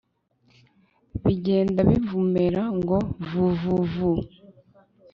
bigenda bivumera ngo 'vu vuuuu vuuuu